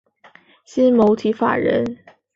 新媒体法人